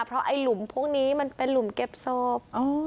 เพราะไอ้หลุมพวกนี้มันเป็นหลุมเก็บศพ